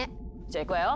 じゃあいくわよ！